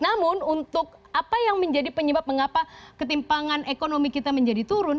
namun untuk apa yang menjadi penyebab mengapa ketimpangan ekonomi kita menjadi turun